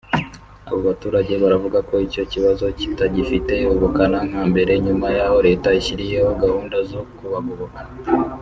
abo baturage baravuga ko icyo kibazo kitagifite ubukana nka mbere nyuma y’aho Leta ishyiriyeho gahunda zo kubagoboka